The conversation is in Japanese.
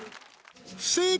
不正解